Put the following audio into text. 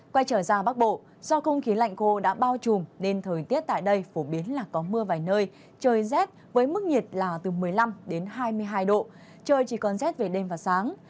quay trở ra bắc bộ do không khí lạnh khô đã bao trùm nên thời tiết tại đây phổ biến là có mưa vài nơi trời rét với mức nhiệt là từ một mươi năm đến hai mươi hai độ trời chỉ còn rét về đêm và sáng